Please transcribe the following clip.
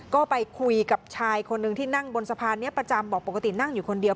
ก็ไปคุยกับชายคนหนึ่งที่นั่งบนสะพานนี้ประจำบอกปกตินั่งอยู่คนเดียว